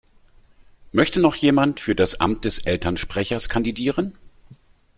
Möchte noch jemand für das Amt des Elternsprechers kandidieren?